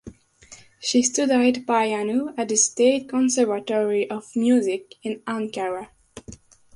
She studied piano at the State Conservatory of Music in Ankara.